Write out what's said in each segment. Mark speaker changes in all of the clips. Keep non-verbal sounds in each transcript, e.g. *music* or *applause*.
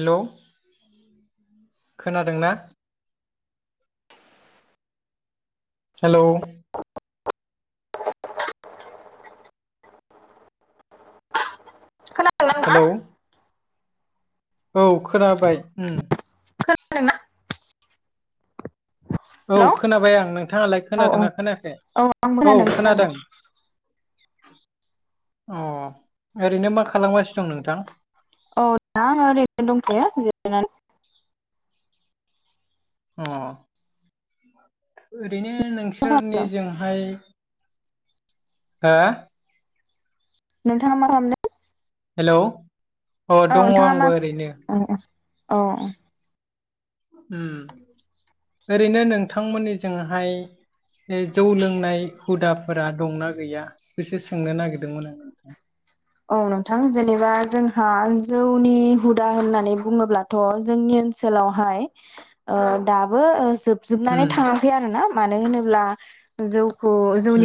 Speaker 1: Hello खोनादों ना हेल'
Speaker 2: *unintelligible* खोनादोंना नोंथाङा?
Speaker 1: हेलौ औ खोनाबाय
Speaker 2: खोनादों ना
Speaker 1: औ
Speaker 2: हेलौ
Speaker 1: खोनाबाय आं नोंथाङालाय
Speaker 2: औ औ
Speaker 1: खोनादोंना खोनाखै औ खोनादों अ ओरैनो मा खालामगासिनो दं नोंथां
Speaker 2: औ दा आ ओरैनो दंथोयोनानै
Speaker 1: अ ओरैनो
Speaker 2: मा
Speaker 1: नोंसोरनि
Speaker 2: खालामदों?
Speaker 1: जों ओमाय हो
Speaker 2: नोंथांङा मा खालामदों?
Speaker 1: हेलौ अ दंङो आंबो ओरैनो
Speaker 2: अ अ
Speaker 1: ओरैनो नोंथांमोननिजोंहाय बे जौ लोंनाय हुदाफोरा दंना गैया बेसो सोंनो नागिरदोंमोन आं नोंथां?
Speaker 2: औ नोंथां जेनेबा जोंहा जौनि हुदा होननानै बुंङोब्ला जोंनि ओनसोलावहाय दाबो जोब जोबनानै
Speaker 1: आं
Speaker 2: थाङाखै आरोना मानो होनोब्ला जौखौ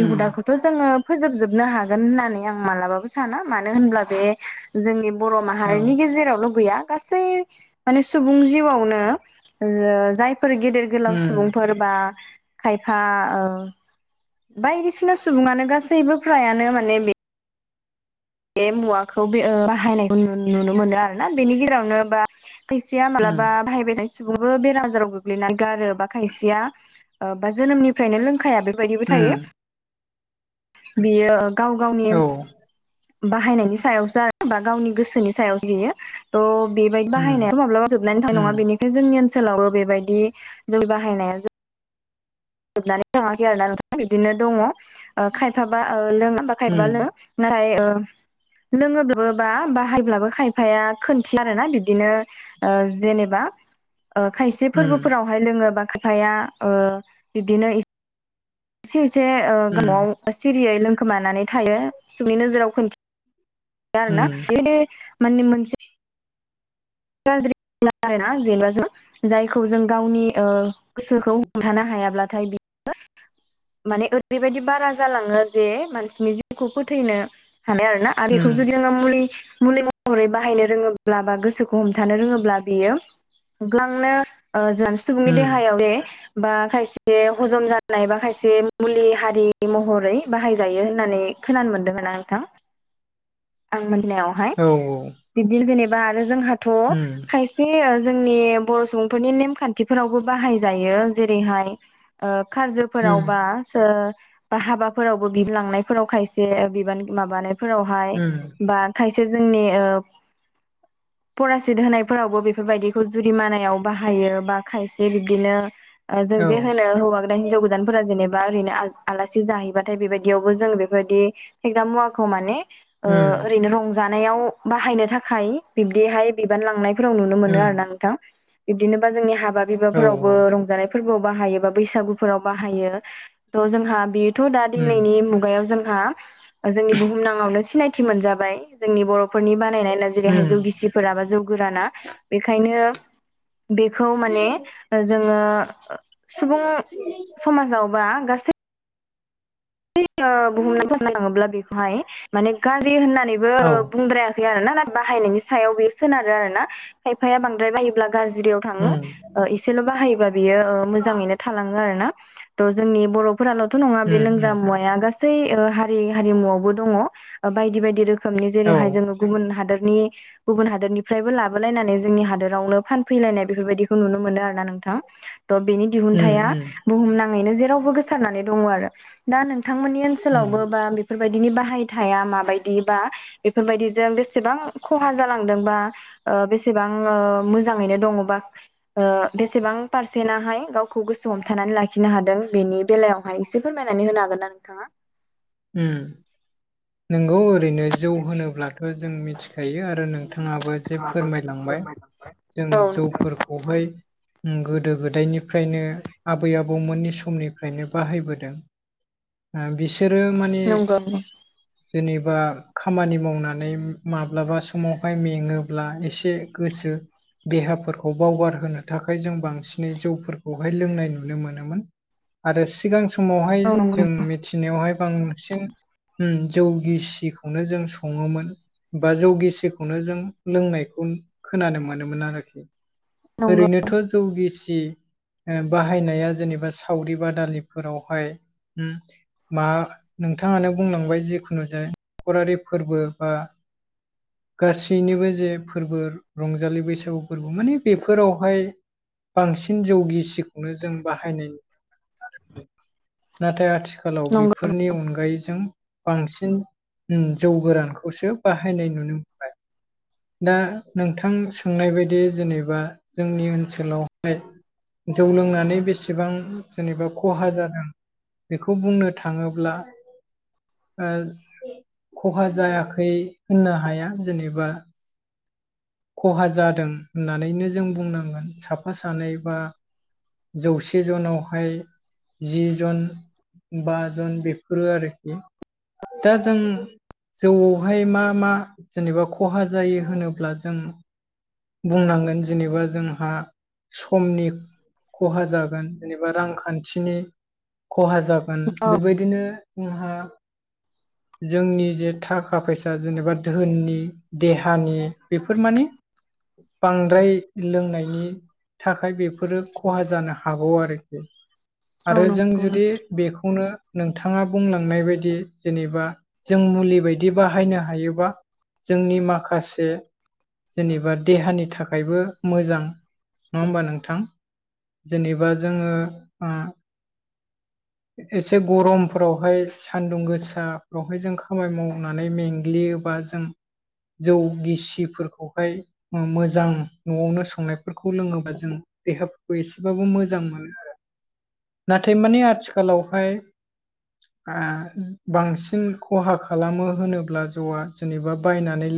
Speaker 1: उम
Speaker 2: हुदाखौ थ' जोंङो फोजोबजोबनो हागोन होननानै आं मालाबाबो साना मानो होनब्ला बे जोंनि बर'
Speaker 1: औ
Speaker 2: माहारिनि गेजेरावल गैया गासै माने सुबुं जिउआवनो जायफोर गेदेर गोलाव
Speaker 1: उम
Speaker 2: सुबुंफोर बा खायफा ओ बायदिसिना सुबुंङानो गासैबो फ्रायानो माने बे बे मुवाखौ बे बाहायनायखौ नुनो मोनो आरो ना बेनि गेजेरावनो बा खायसेया
Speaker 1: उम
Speaker 2: मालाबा बाहायबायनाय सुबुंबो बेर आजाराव गोग्लैना गारोबा खायसेया बा जोनोमनिफ्रायनो लोंखाया बेबायदिबो
Speaker 1: उम
Speaker 2: थायो बियो गाव गावनि
Speaker 1: औ
Speaker 2: बाहायनायनि सायावसो आरो बा गावनि गोसोनि सायावसो बियो थह बेबायदि
Speaker 1: उम
Speaker 2: बाहायनायाथ' माब्लाबा जोबनायनि थ नङा
Speaker 1: उम
Speaker 2: बेनिख जोंनि ओनसोलावबो बेबायदि जय बाहायनाया जोबनानै थाङाखै आरोना नोंथांङा बिदिनो दंङो खायफाबा लोङाबा खायफा लो
Speaker 1: उम
Speaker 2: *unintelligible* लोंङोब्लाबो बा बाहायब्लाबो खायफाया खोनथि आर ना बिदिनो जेनेबा खायसे
Speaker 1: उम
Speaker 2: फोरबोफोरावहाय लोंङोबा खायफाया ओ बिब्दिनो एसे एसे गो
Speaker 1: उम
Speaker 2: न'आव सिरियै लोंखोमानानै थायो सनि नोजोराव खथि जारना
Speaker 1: उम
Speaker 2: मान मोनसे *unintelligible* *unintelligible* जायखौ जों गावनि ओ गोसोखौ हमथानो हायाब्लाथाय बि माने ओरैबायाददि बारा जालाङो जे मानसिनि जिउखौ फोथैनो हानाय आरो ना आरो बेखौ
Speaker 1: उम
Speaker 2: जुदि मुलि मुलि महरै बाहायनो रोङोब्ला बा गोसोखौ हमथानो रोङोब्ला बियो गोबांनो जोंनि सुबुंनि
Speaker 1: उम
Speaker 2: देहायाव जे बा खायसे हजम जानाय बा खायसे मुलि हारि महरै बाहायजायो होननानै खोनानो मोनदोंमोना नोंथां?
Speaker 1: *inaudible*
Speaker 2: आं मोननायावहाय
Speaker 1: औ
Speaker 2: बिब्दि जेनेबा आरो जोंहाथ'
Speaker 1: उम
Speaker 2: खाय ए जोंनि बर' सुबुंफोरनि नेमखान्थिफोरावबो बाहायजायो जेरैहाय ओ खाजो
Speaker 1: उम
Speaker 2: फोरावबा सो बा हाबाफोरावबो बिब लांनायफोराव खायसे बिबान माबानायफोरावहाय
Speaker 1: उम
Speaker 2: बा खायसे जोंनि ओ फरासित होनायफोरावबो बेफोरबायदिखौ जुरिमानायाव बाहायो बा खायसे बिब्दिनो जों
Speaker 1: औ
Speaker 2: जे होनायाव होब हिनजाव गोदानफोरा जेनेबा ओरैनो आलासि जाहैबाथाय बेबायदियावबो जोंङो बेफोरबायदि फेग्रा मुवा आखुमाने
Speaker 1: उम
Speaker 2: ओरैनो रंजानायाव बाहायनो थाखाय बिब्दिहाय बिबान लांनाय नुनो मोनो आरो ना
Speaker 1: उम
Speaker 2: नोंथां बिब्दिनोबा जोंनि हाबा
Speaker 1: औ
Speaker 2: बिबावबो रंजानाय फोरबोआव बाहायो बा बैसागुफोराव बाहायो जोंहा बे दा
Speaker 1: उम
Speaker 2: दिनैनि मुगायाव जोंहा जोंनि बुहुम नाङावनो सिनायथि मोनजाबाय जोंनि बर'फोरनि बानायनायना जेरैहाय
Speaker 1: उम
Speaker 2: जौ गिसिफोरा बा जौ गोराना बेनिखायनो बेखौ माने जोङो सुबुं समाजावबा गासै बुहुमङैनो बुंनो थाङोब्लाथाय‌ बेखौहाय माने गाज्रि होननानैबो
Speaker 1: औ
Speaker 2: बुंद्रायाखै आरना बाहायनायनि सायाव बेयो सोनारो आरोना खायफाया बांद्राय बायोब्ला गाज्रियाव
Speaker 1: उम उम
Speaker 2: एसेल बाहायोबा बियो मोजाङैनो थालाङो आरोना जोंनि बर' फोरालथ नङा बे
Speaker 1: उम
Speaker 2: लोंग्रा मुवाया गासै हारि हारिमुवआवबो दङ बायदि बायदि रोखोम रोखोमनि
Speaker 1: औ
Speaker 2: जेरैहाय जोङो गुबुन हादरनि गुबुन हादोरनिफ्रायबो लाबोलायनानै जोंनि हादोरावनो फानफैलायनाय बेफोरबायदिखौ नुनो मोनो आरो ना नोंथां। बेनि
Speaker 1: उम
Speaker 2: दिहुनथाया बुहुम नाङैनो जेरावबो गोसारनानै दङ आरो। दा नोंथांमोननि
Speaker 1: उम
Speaker 2: ओनसोलावबो बा बेफोरबायदिनि बाहाय थाया माबायदि बा बेफोरबायदिजों बेसेबां खहा जालांदोंबा। बेसेबां मोजाङैनो दङ बा बेसेबां पारसेटहाय गावखौ गोसो हमथानानै लाखिनो हादों बेनि बेलायावहाय एसे फोरमाय नानै होनो हागोन ना नोंथाङा?
Speaker 1: उम‌ नोंगौ ओरैनो जौ होनोब्लाथ जों मिथिखायो आरो नोंथाङाबो जे फोरमायलांबाय जों
Speaker 2: औ
Speaker 1: जौफोरखौ हाय गोदो गोदायनिफ्रायनो आबै आबौमोननि समनिफ्रायनो बाहायबोदों। बिसोरो माने
Speaker 2: नोंथां नंगौ औ
Speaker 1: जेनेबा खामानि मावनानै माब्लाबा समावहाय मेङोब्ला एसे गोसो देहाफोरखौ बावगारहोनो थाखाय जों बांसिनै जौफोरखौहाय लोंनाय नुनो मोनोमोन। आरो सिगां समावहाय
Speaker 2: नंगौ
Speaker 1: जों मिथिनायावहाय बांसिन जौ गिसिखौनो जों सङोमोन। बा जौगिसिखौनो जों लोंनायखौ खोनानो मोनोमोन आरोखि
Speaker 2: नंगौ
Speaker 1: ओरैनोथ जौगिसि बाहायनाया जेनेबा सावरि बादालिफोरावहाय हम मा नोंथाङानो बुंलांबाय जिखुनु जाय नखरारि फोरबो बा गासैनिबो जे फोरबो रंजालि बैसागु फोरबो माने बेफोरावहाय बांसिन जौगिसिखौनो जों बाहायनाय नुयो नाथाय आथिखालाव
Speaker 2: नंगौ
Speaker 1: बेफोरनि अनगायै जों बांसिन जौ गोरानखौसो बाहायनाय नुनो मोनबाय। दा नोंथां सोंनाय बायदि जेनेबा जोंनि ओनसोलावहाय जौ लोंनानै बेसेबां जेनेबा खहा जादों बेखौ बुंनो थाङोब्ला खहा जायाखै होननो हाया जेनेबा खहा जादों होननानैनो जों बुंनांगोन साफा सानै बा जौसे जोनावहाय जि जन बा जन बेफोरो आरोखि दा जों जौआवहाय मा मा जेनेबा खहा जायो होनोब्ला जों बुंनांगोन जेनेबा जोंहा समनि खहा जागोन जेनेबा रांखान्थिनि खहा जागोन
Speaker 2: औ
Speaker 1: बेबायदिनो जोंहा जोंनि जे थाखा फैसा जेनेबा धोननि देहानि बेफोर माने बांद्राय लोंनायनि थाखाय बेफोरो खहा जानो हागौ आरोखि
Speaker 2: औ
Speaker 1: आरो जों
Speaker 2: नंगौ नों
Speaker 1: जुदि बेखौनो नोंथाङा बुंलांनाय बायदि जेनेबा जों मुलि बायदि बाहायनो हायोबा जोंनि माखासे जेनेबा देहानि थाखायबो मोजां नङा होमबा नोंथां जेनेबा जोङो एसे गरमफोरावहाय सान्दुं गोसाफ्रावहाय जों खामानि मावनानै मेंग्लियोबा जों जौ गिसिफोरखौहाय मोजां न'आवनो संनायफोरखौ लोङोबा जों देहाफोरखौ एसेबाबो मोजां मोनो नाथाय माने आथिख खालावहाय बांसिन खहा खालामो होनोब्ला जौआ जेनेबा बायनानै